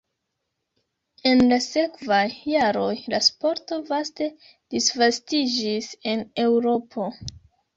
En la sekvaj jaroj la sporto vaste disvastiĝis en Eŭropo.